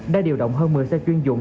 đã điều động hơn một mươi xe chuyên dụng